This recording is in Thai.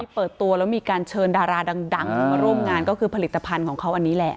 เปิดตัวแล้วมีการเชิญดาราดังมาร่วมงานก็คือผลิตภัณฑ์ของเขาอันนี้แหละ